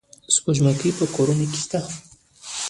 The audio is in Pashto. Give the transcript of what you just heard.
سپوږمکۍ په کورونو کې شته.